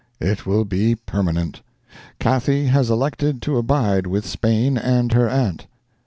It will be permanent. Cathy has elected to abide with Spain and her aunt.